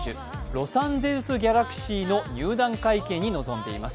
ロサンゼルス・ギャラクシーの入団会見に臨んでいます。